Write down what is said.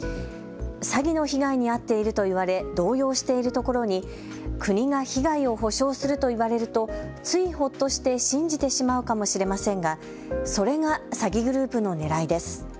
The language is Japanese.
詐欺の被害に遭っていると言われ動揺しているところに国が被害を補償すると言われるとつい、ほっとして信じてしまうかもしれませんがそれが詐欺グループのねらいです。